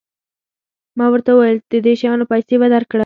ما ورته وویل د دې شیانو پیسې به درکړم.